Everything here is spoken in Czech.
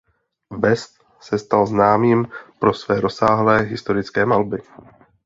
West se stal známým pro své rozsáhlé historické malby.